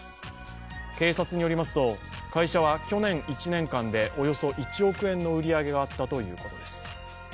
警察によりますと、会社は去年１年間でおよそ１億円の売り上げがあったということです。